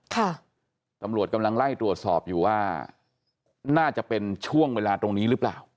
ค่ะตำรวจกำลังไล่ตรวจสอบอยู่ว่าน่าจะเป็นช่วงเวลาตรงนี้หรือเปล่า